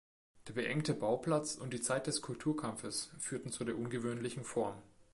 Der beengte Bauplatz und die Zeit des Kulturkampfes führten zu der ungewöhnlichen Form.